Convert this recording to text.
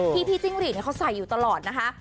พี่จิ้งหรีดเขาใส่อยู่ตลอดนะคะ